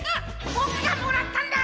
ボクがもらったんだ！